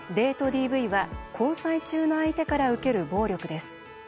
ＤＶは交際中の相手から受ける暴力です。